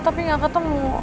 tapi ga ketemu